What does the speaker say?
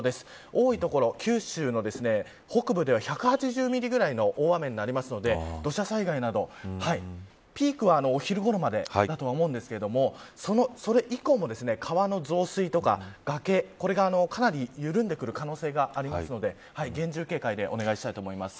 多い所、九州の北部では１８０ミリぐらいの大雨になるので土砂災害などピークはお昼ごろまでだとは思うんですがそれ以降も川の増水とか崖、これがかなり緩んでくる可能性があるので厳重警戒でお願いしたいと思います。